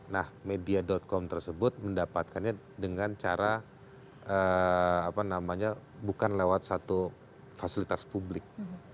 nah media com tersebut mendapatkannya dengan cara bukan lewat satu fasilitas publik